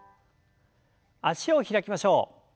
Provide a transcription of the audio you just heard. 脚を開きましょう。